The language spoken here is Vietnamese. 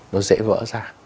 nó dễ vỡ ra